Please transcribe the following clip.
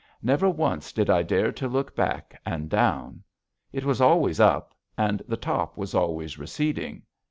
Never once did I dare to look back and down. It was always up, and the top was always receding.